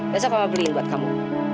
besok kamu beliin buat kamu